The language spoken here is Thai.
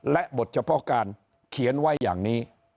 และบทเฉพาะการเขียนไว้อย่างนี้